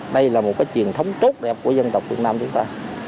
đây là một truyền thống tốt đẹp của dân tộc việt nam chúng ta